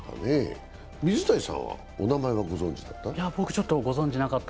水谷さん、お名前はご存じだった？